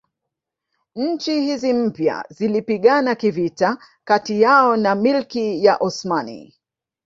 Nchi hizi mpya zilipigana kivita kati yao na Milki ya Osmani